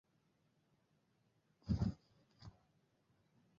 শহরের জনসংখ্যার অধিকাংশ বাতাম দ্বীপে বসবাস করে।